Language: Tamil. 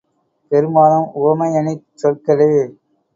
பெரும்பாலும் உவமையணிச் சொற்களே